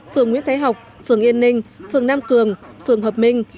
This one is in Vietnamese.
phường nguyễn thái học phường yên ninh phường nam cường phường hợp minh